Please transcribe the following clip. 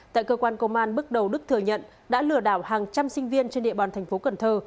tại cơ quan công an bước đầu đức thừa nhận đã lừa đảo hàng trăm sinh viên trên địa bàn thành phố cần thơ